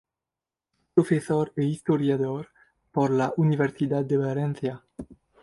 Profesor e historiador por la Universidad de Valencia.